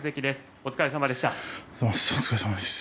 お疲れさまです。